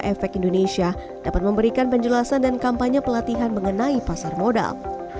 efek indonesia dapat memberikan penjelasan dan kampanye pelatihan mengenai pasar modal